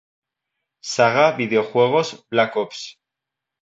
Saga videojuegos black ops